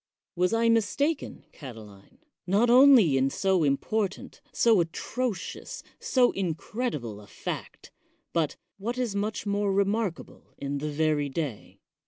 Was I mistaken, Catiline, not only in so important, so atrocious,, so incredible a fact, but, what is much more re markable, in the very day?